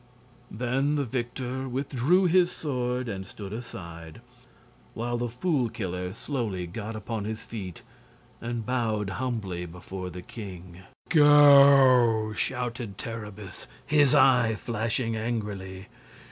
Then the victor withdrew his sword and stood aside, while the Fool Killer slowly got upon his feet and bowed humbly before the king. "Go!" shouted Terribus, his eye flashing angrily.